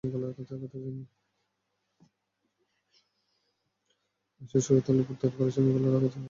লাশের সুরতহাল রিপোর্ট তৈরি করার সময় গলার কাছে আঘাতের চিহ্ন দেখা গেছে।